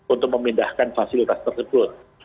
untuk memindahkan fasilitas tersebut